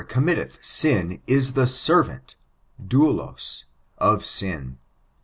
581 oommitteth sin is the serveuU, doulos, of sin.